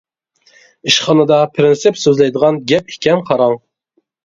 ئىشخانىدا پىرىنسىپ سۆزلەيدىغان گەپ ئىكەن قاراڭ.